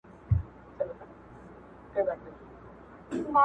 هیڅ جواز د مخالفت او بې اطاعتي نه شته